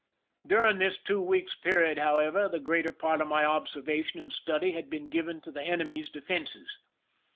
During this two weeks' period, however, the greater part of my observation and study had been given to the enemy's defenses.